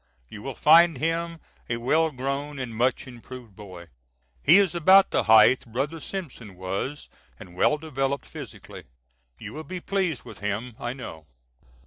You will find him a well grown and much improved boy. He is about the height brother Simpson was and well developed physically. You will be pleased with him I know.